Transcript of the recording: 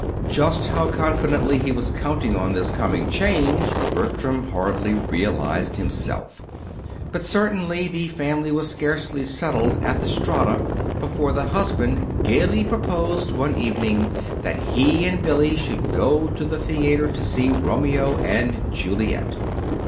Just how confidently he was counting on this coming change, Bertram hardly realized himself; but certainly the family was scarcely settled at the Strata before the husband gayly proposed one evening that he and Billy should go to the theater to see "Romeo and Juliet."